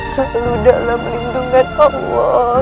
selalu dalam lindungan allah